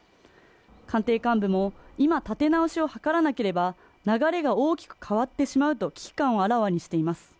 官邸幹部も今立て直しを図らなければ流れが大きく変わってしまうと危機感をあらわにしています